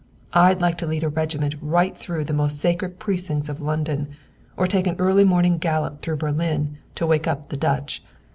I'd like to lead a regiment right through the most sacred precincts of London; or take an early morning gallop through Berlin to wake up the Dutch.